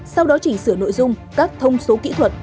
sau đó chỉnh sửa nội dung các thông số kỹ thuật